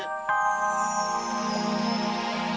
aku juga nanti mau tanya